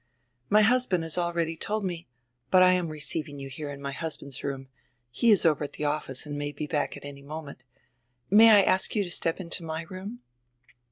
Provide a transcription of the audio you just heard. "My husband has already told me — But I am receiving you here in my husband's room — he is over at die office and may be back any moment. May I ask you to step into my room?"